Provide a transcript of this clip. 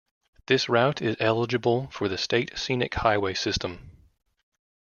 This route is eligible for the State Scenic Highway System.